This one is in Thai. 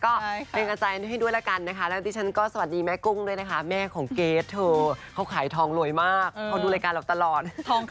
ก็เป็นกำลังใจให้ด้วยละกันนะคะแล้วดิฉันก็สวัสดีแม่กุ้งด้วยนะคะแม่ของเกรทเธอเขาขายทองรวยมากเขาดูรายการเราตลอด